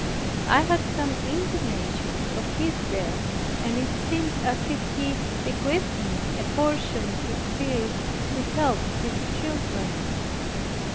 I had some intimations of his death, and it seemed as if he bequeathed me a portion of his spirit to help his children.